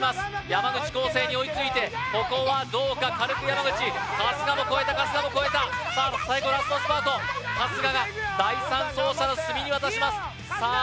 山口浩勢に追いついてここはどうか軽く山口春日も越えた春日も越えたさあ最後ラストスパート春日が第３走者の鷲見に渡しますさあ